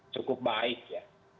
cukup baik ya